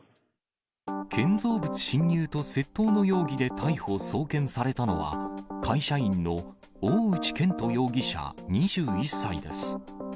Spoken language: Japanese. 建造物侵入と窃盗の容疑で逮捕・送検されたのは、会社員の大内拳斗容疑者２１歳です。